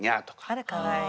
あらかわいい。